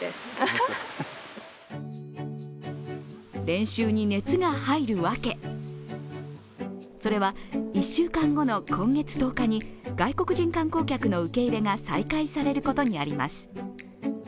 練習に熱が入るわけ、それは１週間後の今月１０日に外国人観光客の受け入れが再開されることにあります。